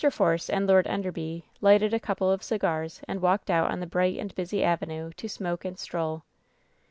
Force and Lord Enderby lighted a couple of cigars and walked out on the bright and busy avenue to smoke and stroll.